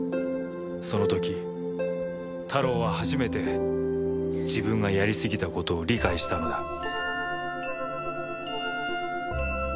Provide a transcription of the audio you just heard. その時タロウは初めて自分がやりすぎたことを理解したのだ。